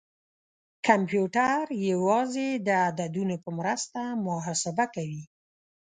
کمپیوټر یوازې د عددونو په مرسته محاسبه کوي.